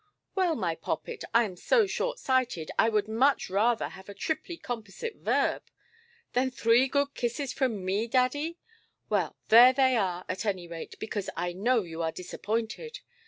"Well, my poppet, I am so short–sighted, I would much rather have a triply composite verb——" "Than three good kisses from me, daddy? Well, there they are, at any rate, because I know you are disappointed".